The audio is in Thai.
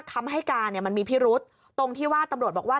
คำให้การมันมีพิรุษตรงที่ว่าตำรวจบอกว่า